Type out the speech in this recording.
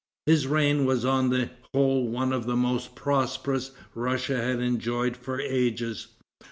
His reign was on the whole one of the most prosperous Russia had enjoyed for ages.